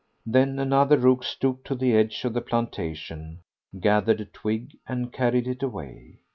Then another rook stooped to the edge of the plantation, gathered a twig, and carried it away.